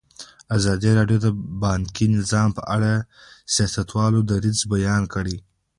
ازادي راډیو د بانکي نظام په اړه د سیاستوالو دریځ بیان کړی.